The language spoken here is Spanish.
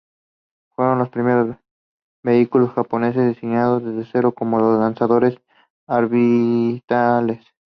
Fueron los primeros vehículos japoneses diseñados desde cero como lanzadores orbitales.